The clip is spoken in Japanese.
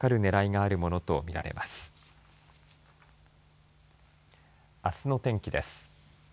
あすの天気です。